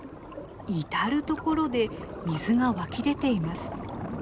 至る所で水が湧き出ています。